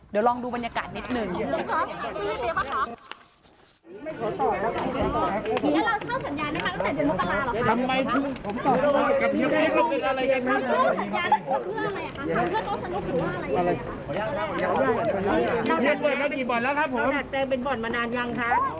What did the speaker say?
เดี๋ยวลองดูบรรยากาศนิดหนึ่ง